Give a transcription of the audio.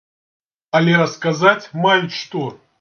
Але расказаць маюць што.